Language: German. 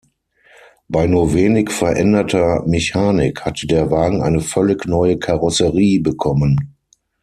Bei nur wenig veränderter Mechanik hatte der Wagen eine völlig neue Karosserie bekommen.